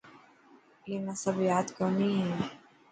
اي نا سب ياد ڪوني هي.